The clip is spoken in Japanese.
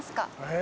え。